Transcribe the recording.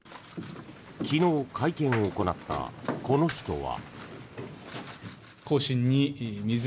昨日、会見を行ったこの人は。